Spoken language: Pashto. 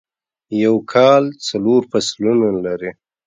یو کال څلور فصلونه لری